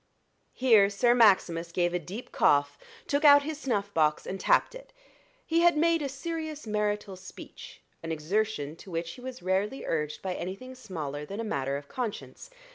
Here Sir Maximus gave a deep cough, took out his snuff box, and tapped it: he had made a serious marital speech, an exertion to which he was rarely urged by anything smaller than a matter of conscience.